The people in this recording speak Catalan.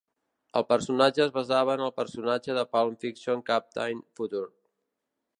El personatge es basava en el personatge de pulp fiction Captain Future.